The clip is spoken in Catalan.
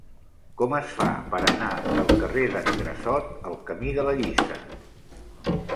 Com es fa per anar del carrer d'en Grassot al camí de la Lliça?